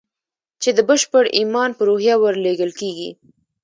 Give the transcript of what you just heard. چې د بشپړ ايمان په روحيه ورلېږل کېږي.